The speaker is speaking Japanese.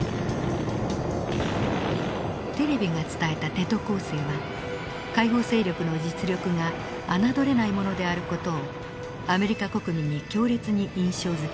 テレビが伝えたテト攻勢は解放勢力の実力が悔れないものである事をアメリカ国民に強烈に印象づけました。